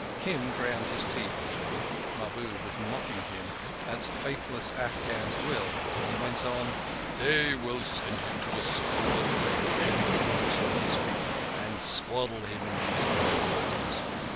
Kim ground his teeth. Mahbub was mocking him, as faithless Afghans will; for he went on: "They will send him to a school and put heavy boots on his feet and swaddle him in these clothes.